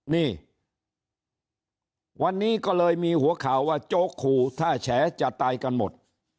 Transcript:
นี่วันนี้ก็เลยมีหัวข่าวว่าโจ๊กขู่ถ้าแฉจะตายกันหมด